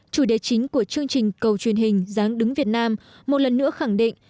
chủ đề chính của chương trình cầu truyền hình giáng đứng việt nam một lần nữa khẳng định